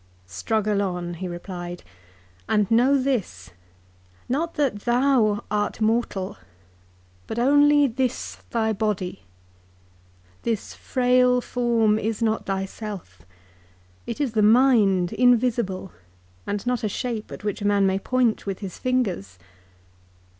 ' Struggle on,' he replied, ' and know this, not that thou art mortal, but only this thy body. This frail form is not thyself. It is the mind, invisible, and not a shape at which a man may point with his fingers.